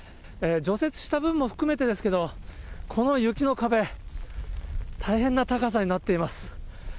除雪した分も含めてですけど、この雪の壁、大変な高さになっています。